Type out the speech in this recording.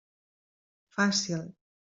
Fàcil.